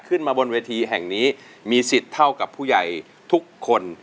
ขึ้นมาบนเวทีแห่งนี้มีสิทธิ์เท่ากับผู้ใหญ่ทุกคน